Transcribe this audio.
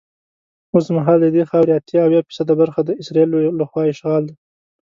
اوسمهال ددې خاورې اته اویا فیصده برخه د اسرائیلو له خوا اشغال ده.